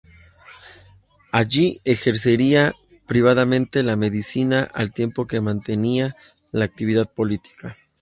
Allí ejercería privadamente la medicina, al tiempo que mantenía la actividad política.